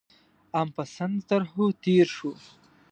عام پسنده طرحو تېر شو.